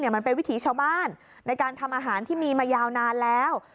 มันเป็นวิถีชาวบ้านในการทำอาหารที่มีมายาวนานแล้ว